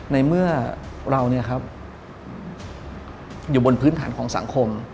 ในเมื่อเราอยู่บนพื้นฐานของสังคม